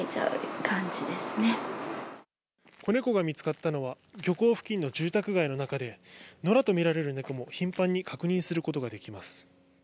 子猫が見つかったのは、漁港付近の住宅街の中で、のらと見られる猫も頻繁に確認することができます。